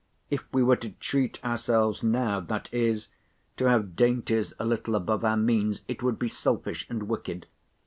If we were to treat ourselves now—that is, to have dainties a little above our means, it would be selfish and wicked.